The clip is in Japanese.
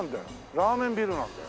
ラーメンビルなんだよ。